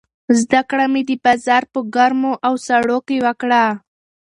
زده کړه مې د بازار په ګرمو او سړو کې وکړه.